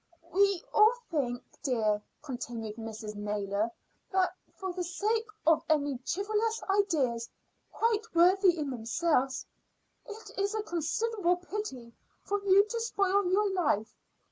"We all think, dear," continued Mrs. Naylor, "that for the sake of any chivalrous ideas, quite worthy in themselves, it is a considerable pity for you to spoil your life.